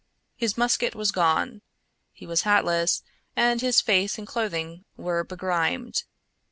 His musket was gone; he was hatless and his face and clothing were begrimed.